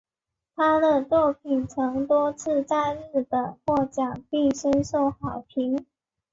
她的作品曾多次在日本获奖并深受好评。